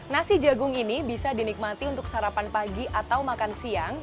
nasi jagung ini bisa dinikmati untuk sarapan pagi atau makan siang